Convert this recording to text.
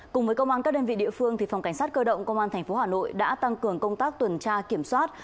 cùng với công an các đơn vị địa phương phòng cảnh sát cơ động công an tp hà nội đã tăng cường công tác tuần tra kiểm soát